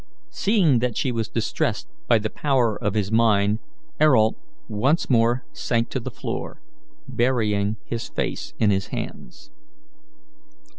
Seeing that she was distressed by the power of his mind, Ayrault once more sank to the floor, burying his face in his hands.